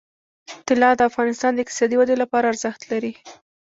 طلا د افغانستان د اقتصادي ودې لپاره ارزښت لري.